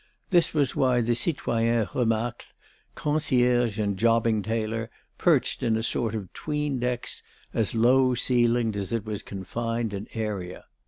This was why the citoyen Remacle, concierge and jobbing tailor, perched in a sort of 'tween decks, as low ceilinged as it was confined in area.